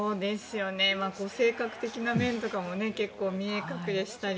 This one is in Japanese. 性格的な面も結構、見え隠れしたり。